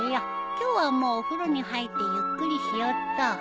今日はもうお風呂に入ってゆっくりしよっと。